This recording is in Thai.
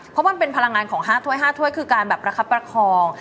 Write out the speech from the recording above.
เพราะมันเป็นพลังงานของ๕ถ้วย๕ถ้วยคือการแบบประคับประคอง